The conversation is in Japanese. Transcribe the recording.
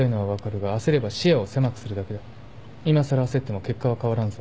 今更焦っても結果は変わらんぞ。